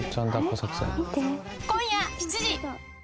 今夜７時。